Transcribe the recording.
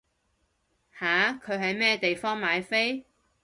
吓？佢喺咩地方買飛？